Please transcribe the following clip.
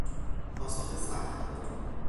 پاسخ سخت